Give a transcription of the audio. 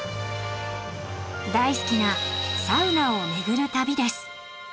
大好きなサウナを巡る旅です。